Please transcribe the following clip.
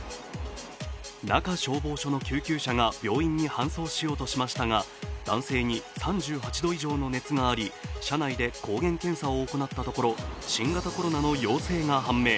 中消防署の救急車が病院に搬送しようとしましたが男性に３８度以上の熱があり車内で抗原検査を行ったところ新型コロナの陽性が判明。